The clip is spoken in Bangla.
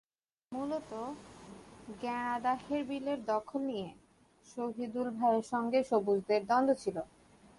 মূলত গ্যাড়াদাহের বিলের দখল নিয়ে শহিদুল ভাইয়ের সঙ্গে সবুজদের দ্বন্দ্ব ছিল।